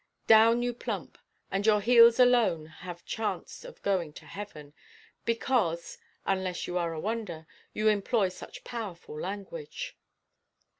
Down you plump, and your heels alone have chance of going to heaven, because (unless you are a wonder) you employ such powerful language.